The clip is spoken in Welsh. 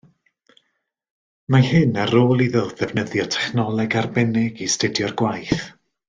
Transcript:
Mae hyn ar ôl iddo ddefnyddio technoleg arbennig i astudio'r gwaith